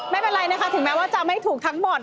ไม่เป็นไรนะคะถึงแม้ว่าจะไม่ถูกทั้งหมด